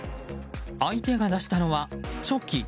相手が出したのはチョキ。